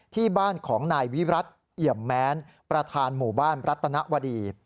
ที่บ้านของนายวิรัติเอี่ยมแม้นประธานหมู่บ้านรัตนวดี